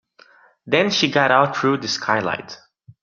Then she got out through the skylight.